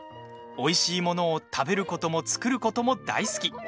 おいしいものを食べることも作ることも大好き。